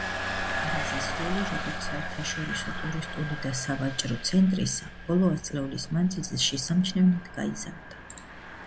პარიზის როლი, როგორც საერთაშორისო ტურისტული და სავაჭრო ცენტრისა, ბოლო ასწლეულის მანძილზე შესამჩნევად გაიზარდა.